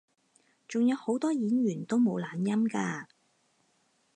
仲有好多演員都冇懶音㗎